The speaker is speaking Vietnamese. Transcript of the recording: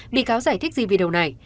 bị cáo giải thích gì video này